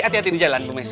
hati hati di jalan bu missy